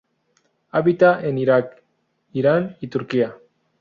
Habita en Irak, Irán y Turquía.